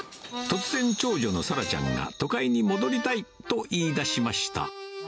突然、長女の咲羅ちゃんが都会に戻りたいと言いだしました。